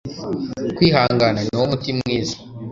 kwihangana niwo muti mwiza